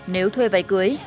nếu thuê váy cưới